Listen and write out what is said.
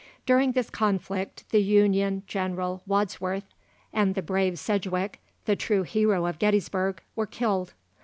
During this conflict the Union General Wadsworth and the brave Sedgwick, the true hero of Gettysburg, were killed.